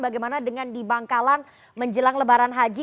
bagaimana dengan di bangkalan menjelang lebaran haji